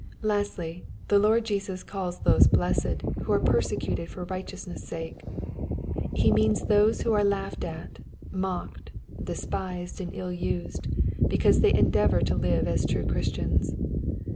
Lastly, the Lord Jesus calls those blessed, who are per secteted/or righteousness sake. He means those who are laughed at, mocked, despised, and ill used, because they endeavor to live as true Christians.